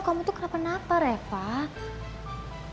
kamu itu kenapa napar ya pak